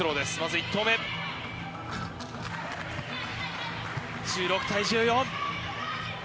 １６対１４。